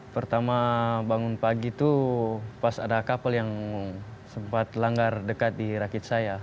pertama bangun pagi itu pas ada kapal yang sempat langgar dekat di rakit saya